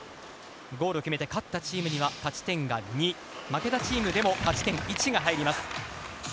ゴールを決めて勝ったチームには勝ち点が２負けたチームでも勝ち点１が入ります。